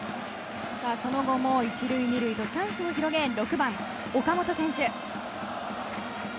その後も１塁２塁とチャンスを広げ６番、岡本選手。